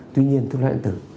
tuy nhiên thuốc lá điện tử